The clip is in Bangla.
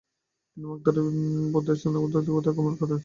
তিনি মগধের বৌদ্ধ তীর্থস্থানগুলোতেও গমন করেন।